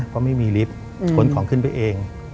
เพราะไม่มีลิฟต์ขนของขึ้นไปเอง